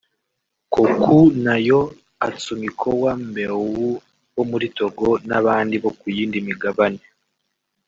Kokou Nayo Atsumikoa M’Beou wo muri Togo n’abandi bo ku yindi migabane